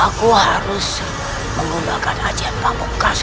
aku harus menggunakan aja pampuk kasku